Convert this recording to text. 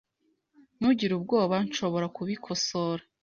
Ntugire ubwoba .Nshobora kubikosora .